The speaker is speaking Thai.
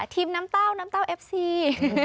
น้ำเต้าน้ำเต้าเอฟซี